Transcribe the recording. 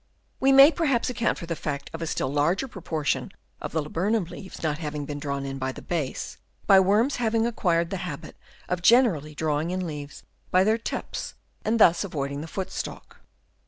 We may perhaps account for the fact of a still larger Chap. II. THEIR INTELLIGENCE. 71 proportion of the laburnum leaves not hav ing been drawn in by the base, by worms having acquired the habit of generally drawing in leaves by their tips and thus avoiding the foot stalk.